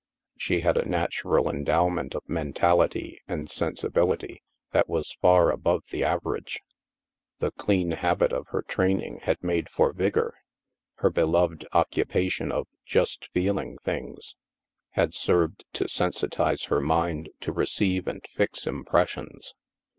She had a natural endowment of mentality and sensibility that was far above the average. The clean habit of her training had made for vigor. Her beloved occupation of "just feeling things" had served to sensitize her mind to receive and fix impressions.